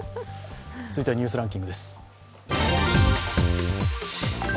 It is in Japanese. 続いては「ニュースランキング」です。